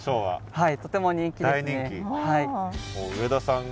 はい。